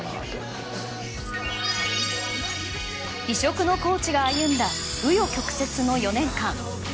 異色のコーチが歩んだ紆余曲折の４年間。